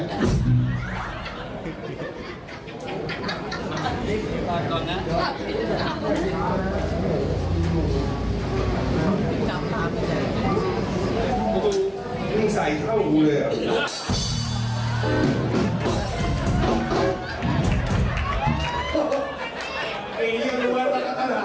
หมุน